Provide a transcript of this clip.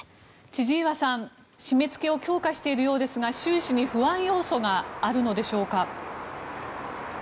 千々岩さん、締め付けを強化しているようですが習氏に不安要素があるのでしょうか？